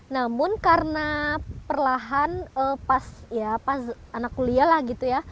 namun karena perlahan pas anak kuliah lah gitu ya